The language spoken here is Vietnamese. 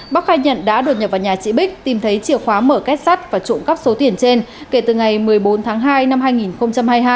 bắc khai nhận đã đột nhập vào nhà chị bích tìm thấy chìa khóa mở kết sắt và trộm cắp số tiền trên kể từ ngày một mươi bốn tháng hai năm hai nghìn hai mươi hai